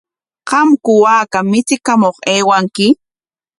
¿Qamku waaka michikamuq aywanki?